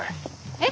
えっ？